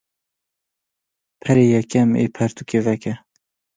Perê yekem ê pertûkê veke.